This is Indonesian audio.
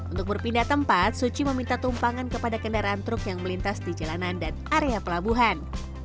untuk berpindah tempat suci meminta tumpangan kepada kendaraan truk yang melintas di jalanan dan area pelabuhan